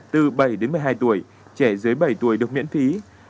từ bảy đến một mươi hai tuổi trẻ dưới bảy tuổi được miễn phí